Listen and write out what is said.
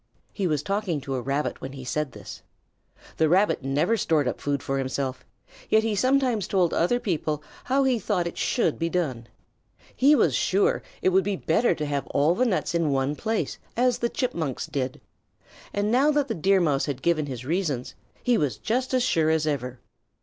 He was talking to a Rabbit when he said this. The Rabbit never stored up food himself, yet he sometimes told other people how he thought it should be done. He was sure it would be better to have all the nuts in one place as the Chipmunks did. And now that the Deer Mouse had given his reasons, he was just as sure as ever.